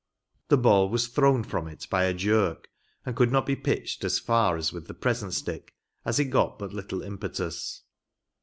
The ball was thrown from it by a jerk, and could not be pitched as far as with the present stick, as it got but little impetus.